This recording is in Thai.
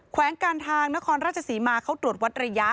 แวงการทางนครราชศรีมาเขาตรวจวัดระยะ